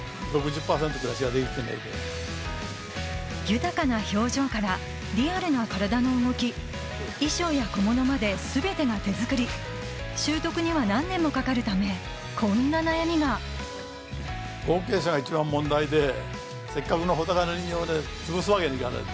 豊かな表情からリアルな体の動き衣装や小物まで全てが手作り習得には何年もかかるためこんな悩みが後継者が一番問題でせっかくの穂高人形をつぶすわけにいかない。